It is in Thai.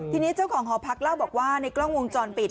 ทีนี้เจ้าของหอพักเล่าบอกว่าในกล้องวงจรปิด